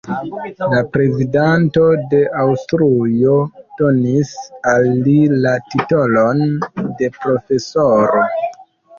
La Prezidanto de Aŭstrujo donis al li la titolon de "profesoro".